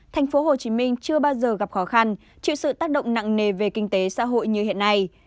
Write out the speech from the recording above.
tp hcm chưa bao giờ gặp khó khăn chịu sự tác động nặng nề về kinh tế xã hội như hiện nay